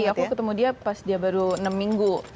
aku ketemu dia pas dia baru enam minggu